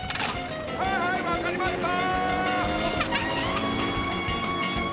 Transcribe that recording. はいはい分かりました。